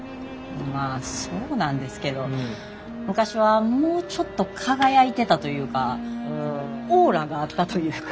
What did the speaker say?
まあそうなんですけど昔はもうちょっと輝いてたというかオーラがあったというか。